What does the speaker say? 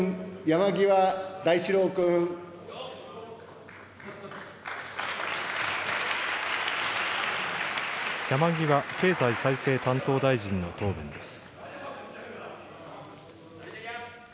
山際経済再生担当大臣の答弁です。